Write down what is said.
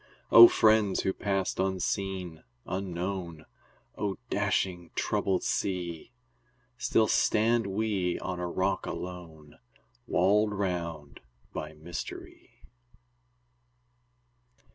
O friends who passed unseen, unknown! O dashing, troubled sea! Still stand we on a rock alone, Walled round by mystery.